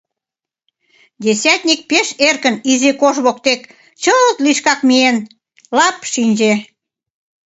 Десятник пеш эркын изи кож воктек, чылт лишкак миен, лап шинче.